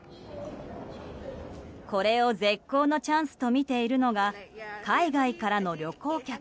これを絶好のチャンスとみているのが海外からの旅行客。